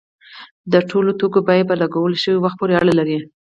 د ټولو توکو بیه په لګول شوي وخت پورې اړه لري.